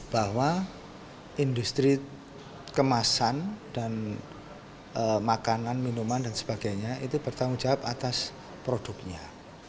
bahwa industri kemasan dan makanan minuman dan sebagainya itu bertanggung jawab atas produknya